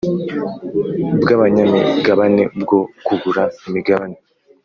bw abanyamigabane bwo kugura imigabane